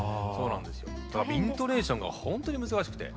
イントネーションがほんとに難しくて。